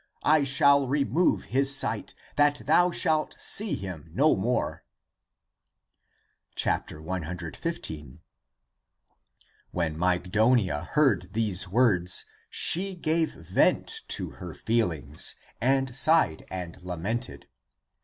I shall remove his sight, that thou shalt see him no more." 115. When Mygdonia. heard these words, she gave vent to her feelings and sighed and lamented.